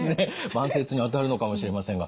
慢性痛にあたるのかもしれませんが。